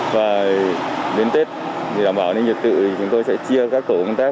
và đến tết để đảm bảo nhiệt tự chúng tôi sẽ chia các tổ công tác